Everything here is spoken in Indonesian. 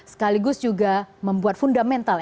sekaligus juga membuat fundamental